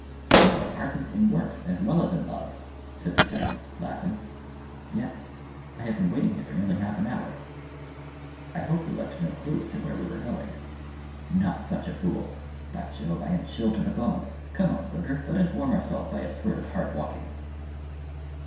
"You are ardent in work as well as in love!" said the German, laughing. "Yes; I have been waiting here for nearly half an hour." "I hope you left no clue as to where we were going." "Not such a fool! By Jove, I am chilled to the bone! Come on, Burger, let us warm ourselves by a spurt of hard walking."